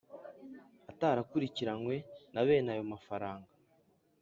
atarakurikiranwe na bene ayo mafaranga.